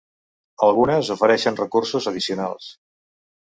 Algunes ofereixen recursos addicionals.